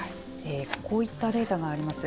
こういったデータがあります。